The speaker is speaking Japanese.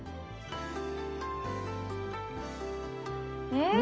うん！